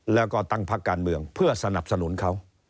แล้วก็ตั้งพักการเมืองเพื่อสนับสนุนเขา